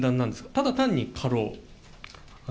ただ単に過労。